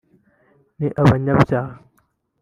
n’abanyabyaha